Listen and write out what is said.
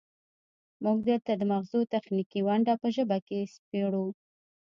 موږ دلته د مغزو تخنیکي ونډه په ژبه کې سپړو